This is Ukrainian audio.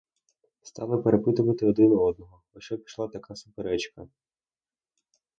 Стали перепитувати один у одного, о що пішла така суперечка.